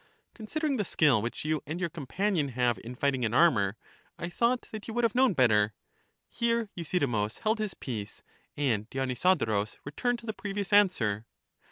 Considering the skill which you and your compan ion have in fighting in armor, I thought that you would have known better. Here Euthydemus held his peace, and Dionysodorus returned to the previous answer.